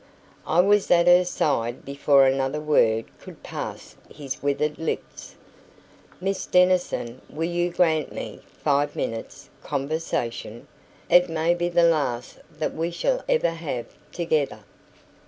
I was at her side before another word could pass his withered lips. "Miss Denison, will you grant me five minutes', conversation? It may be the last that we shall ever have together!"